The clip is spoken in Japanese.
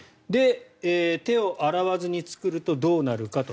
手を洗わずに作るとどうなるかと。